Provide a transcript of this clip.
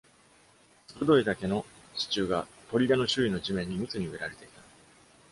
鋭い竹の支柱が砦の周囲の地面に密に植えられていた。